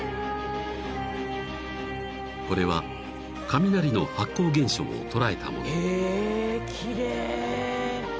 ［これは雷の発光現象を捉えたもの］